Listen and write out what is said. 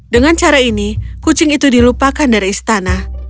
dengan cara ini kucing itu dilupakan dari istana